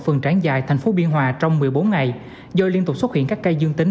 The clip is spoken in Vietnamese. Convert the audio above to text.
phần tráng dài thành phố biên hòa trong một mươi bốn ngày do liên tục xuất hiện các cây dương tính